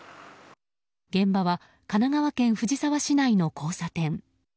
現場は神奈川県藤沢市内の交差点。